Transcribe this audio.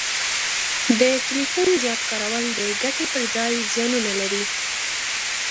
د ټلیفون زیات کارول د ګټي پر ځای زیانونه لري